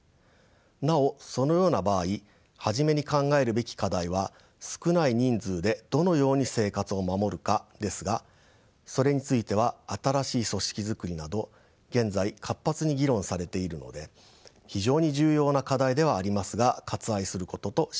なおそのような場合初めに考えるべき課題は少ない人数でどのように生活を守るかですがそれについては新しい組織づくりなど現在活発に議論されているので非常に重要な課題ではありますが割愛することとします。